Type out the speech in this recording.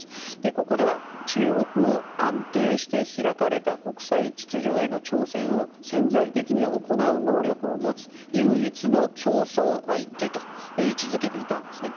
ここでは中国を安定して開かれた国際秩序への挑戦を潜在的に行う能力を持つ唯一の競争相手と位置付けていたんですね。